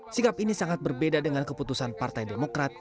sikap ini sangat berbeda dengan keputusan partai demokrat